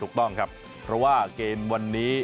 ถูกต้องครับเพราะว่าเกมวันนี้